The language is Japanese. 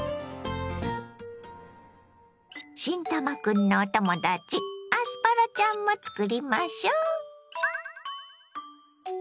新たまクンのお友だちアスパラちゃんも作りましょ。